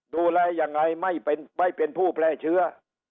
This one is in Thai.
ดูแลอย่างไรไม่เป็นไม่เป็นผู้แพร่เชื้อ